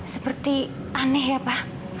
seperti aneh ya pak